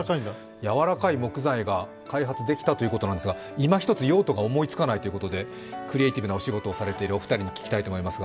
やわらかい木材が開発できたということなんですが今ひとつ用途が思いつかないということでクリエーティブなお仕事をされているお二人に聞きたいと思います。